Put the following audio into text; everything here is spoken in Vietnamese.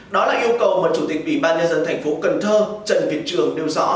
đó là yêu cầu mà chủ tịch ủy ban nhân dân thành phố cần thơ trần việt trường nêu rõ